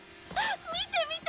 見て見て！